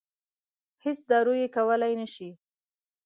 هېڅ دارو یې کولای نه شي.